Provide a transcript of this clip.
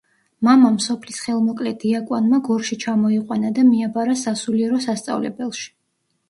მამამ სოფლის ხელმოკლე დიაკვანმა გორში ჩამოიყვანა და მიაბარა სასულიერო სასწავლებელში.